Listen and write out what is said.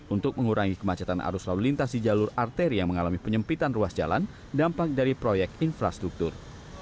untuk mengurangi kemacetan arus lalu lintas di jalur arteri yang mengalami penyempitan ruas jalan dampak dari proyek infrastruktur